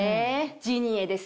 ジニエです